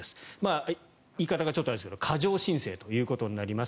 言い方がちょっとあれですが過剰申請ということになります。